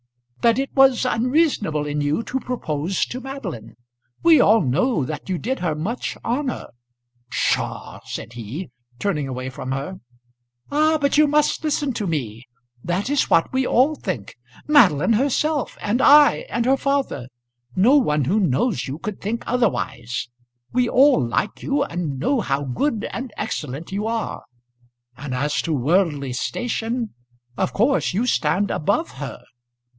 "That it was unreasonable in you to propose to Madeline. We all know that you did her much honour." "Psha!" said he, turning away from her. "Ah! but you must listen to me. That is what we all think Madeline herself, and I, and her father. No one who knows you could think otherwise. We all like you, and know how good and excellent you are. And as to worldly station, of course you stand above her."